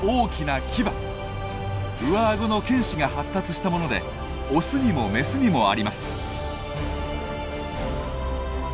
上顎の犬歯が発達したものでオスにもメスにもあります。